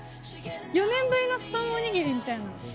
４年ぶりのスパムお握りみたいな。